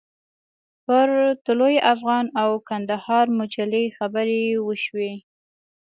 پر طلوع افغان او کندهار مجلې خبرې وشوې.